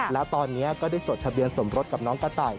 แล้วตอนนี้ก็ได้จดทะเบียนสมรสกับน้องกระต่าย